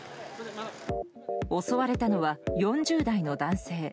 襲われたのは４０代の男性。